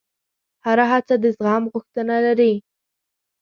هره هڅه د زغم غوښتنه لري.